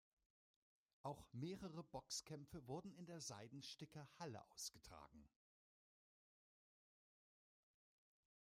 Auch mehrere Boxkämpfe wurden in der Seidensticker Halle ausgetragen.